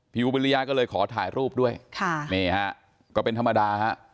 พี่อุ๊ปเป็นระยะก็เลยขอถ่ายรูปด้วยค่ะนี่ฮะก็เป็นธรรมดาฮะ